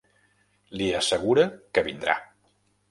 Li assegura que vindrà.